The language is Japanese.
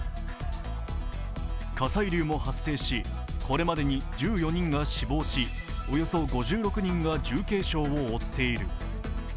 火砕流も発生し、これまでに１４人が死亡しおよそ５６人が重軽傷を負っている。